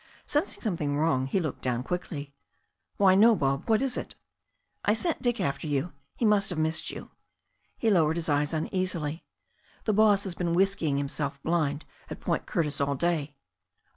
Sensing something wrong, he looked down quickly. "Why, no, Bob. What is it?" "I sent Dick after yoa He must have missed you." He lowered his eyes uneasily. "The boss has been whiskying himself blind at Point Curtis all day."